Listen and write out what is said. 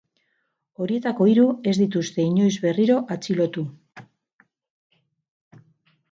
Horietako hiru ez dituzte inoiz berriro atxilotu.